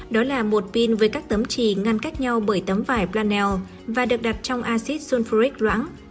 đó là một pin với các tấm trì ngăn cách nhau bởi tấm vải branel và được đặt trong acid sulfuric loãng